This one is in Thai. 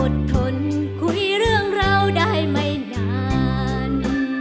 ทนคุยเรื่องเราได้ไม่นาน